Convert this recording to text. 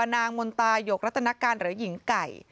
นางมนตายกรัตนการหรือหญิงไก่